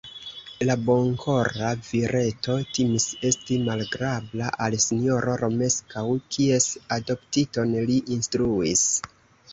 La bonkora vireto timis esti malagrabla al sinjoro Romeskaŭ, kies adoptiton li instruis.